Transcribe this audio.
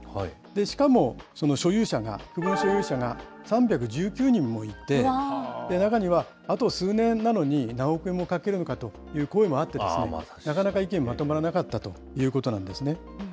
しかも、その所有者が、区分所有者が３１９人もいて、中には、あと数年なのに何億円もかけるのかという声もあって、なかなか意見がまとまらなかったということもあるんですね。